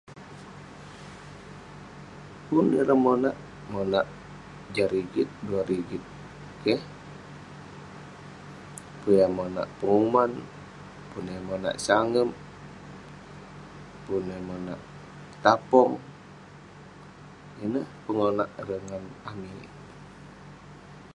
Pun ireh monak. Monak jah rigit, duah rigit, keh. Pun yah monak penguman, pun yah monak sangep, pun yah monak tapong. Ineh pengonak ireh ngan amik.